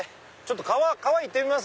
川行ってみます？